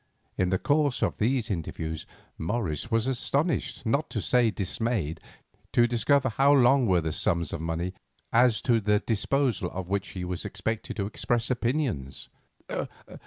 In the course of these interviews Morris was astonished, not to say dismayed, to discover how large were the sums of money as to the disposal of which he was expected to express opinions.